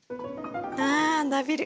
あ伸びる。